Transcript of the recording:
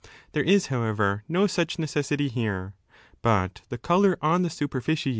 There is, however, no such necessity here, but the colour on the superficies ^ Viz.